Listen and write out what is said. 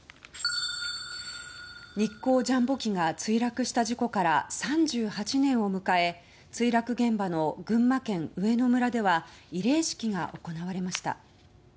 日航ジャンボ機が墜落した事故から３８年を迎え墜落現場の群馬県上野村では慰霊式が行われました。